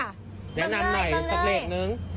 แนะนำหน่อยสักเลขนึง